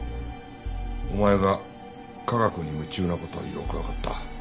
お前が科学に夢中な事はよくわかった。